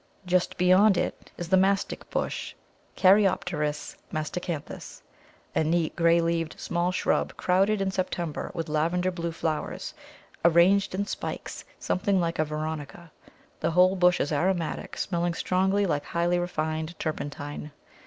Just beyond it is the Mastic bush (Caryopteris mastacanthus), a neat, grey leaved small shrub, crowded in September with lavender blue flowers, arranged in spikes something like a Veronica; the whole bush is aromatic, smelling strongly like highly refined turpentine.